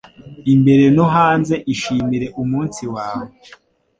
imbere no hanze Ishimire umunsi wawe